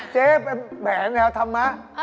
เจ๊แผงแนวธรรมะ